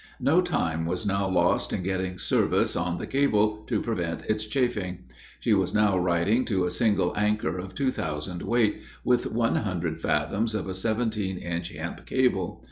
No time was now lost in getting service on the cable, to prevent its chafing. She was now riding to a single anchor of two thousand weight, with one hundred fathoms of a seventeen inch hemp cable.